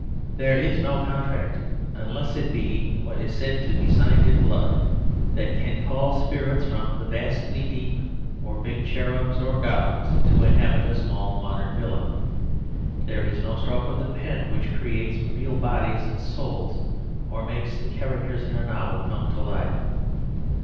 There is no contract, unless it be that said to be signed in blood, that can call spirits from the vasty deep; or bring cherubs (or goblins) to inhabit a small modern villa. There is no stroke of the pen which creates real bodies and souls, or makes the characters in a novel come to life.